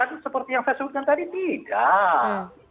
tapi seperti yang saya sulitkan tadi tidak